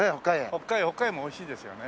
北海園もおいしいですよね。